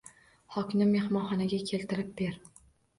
Xokni mehmonxonaga keltirib ber